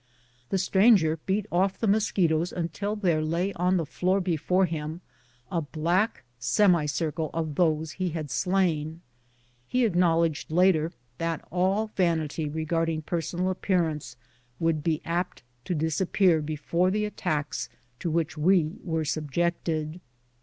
The stran ger beat off the mosquitoes until there lay on the floor before him a black semi circle of those he had slain. lie acknowledged later that all vanity regarding personal appearance would be apt to disappear before the attacks to which we were subjected.